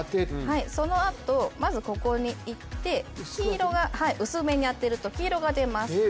そのあと、まずここに行って薄めに当てると黄色が出ます。